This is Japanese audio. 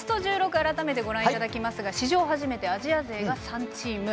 改めてご覧いただきますが史上初アジア勢が３チーム。